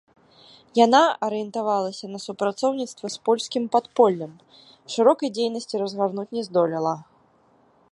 Яна арыентавалася на супрацоўніцтва з польскім падполлем, шырокай дзейнасці разгарнуць не здолела.